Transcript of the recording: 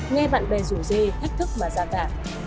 nghe bạn bè rủ dê thách thức mà ra cả